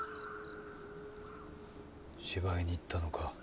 芝居に行ったのか？